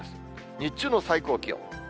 日中の最高気温。